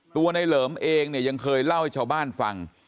ตัวในเหลิมเองเนี่ยยังเคยเล่าให้ชาวบ้านฟัง